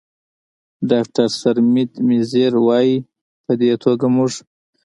ډاکتر سرمید میزیر، وايي: "په دې توګه موږ